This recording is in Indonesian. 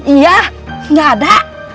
iya gak ada